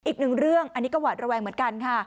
อีกหนึ่งเรื่องอันนี้ก็หวาดระแวงเหมือนกันค่ะ